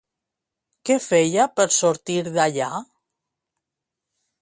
Què feia per sortir d'allà?